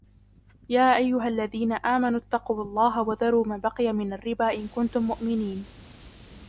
يَا أَيُّهَا الَّذِينَ آمَنُوا اتَّقُوا اللَّهَ وَذَرُوا مَا بَقِيَ مِنَ الرِّبَا إِنْ كُنْتُمْ مُؤْمِنِينَ